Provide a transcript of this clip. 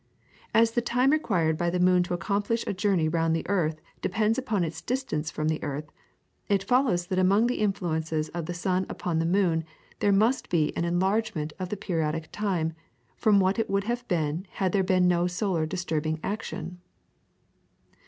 As the time required by the moon to accomplish a journey round the earth depends upon its distance from the earth, it follows that among the influences of the sun upon the moon there must be an enlargement of the periodic time, from what it would have been had there been no solar disturbing action.